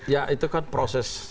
ya itu kan proses